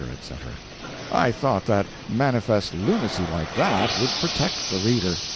etc. I thought that manifest lunacy like that would protect the reader.